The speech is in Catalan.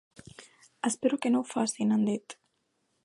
Espero que no ho facin, ha dit.